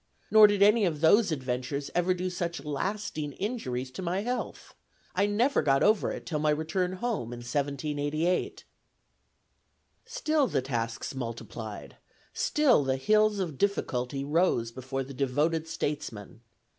Nor did any of those adventures ever do such lasting injuries to my health. I never got over it till my return home, in 1788." Still the tasks multiplied; still the Hills of Difficulty rose before the devoted statesman.